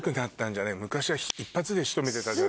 昔は一発で仕留めてたじゃない。